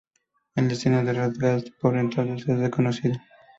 El destino de Radagast por entonces es desconocido.